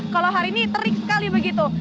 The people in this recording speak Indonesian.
kalau hari ini terik sekali begitu